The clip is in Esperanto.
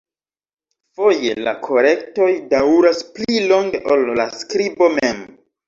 Foje la korektoj daŭras pli longe ol la skribo mem.